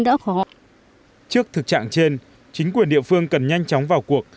trước thực trạng trên chính quyền địa phương cần nhanh chóng vào cuộc